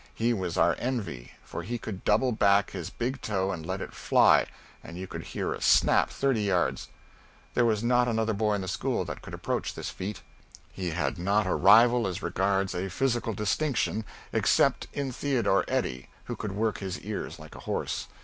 He was our envy, for he could double back his big toe and let it fly and you could hear it snap thirty yards. There was not another boy in the school that could approach this feat. He had not a rival as regards a physical distinction except in Theodore Eddy, who could work his ears like a horse.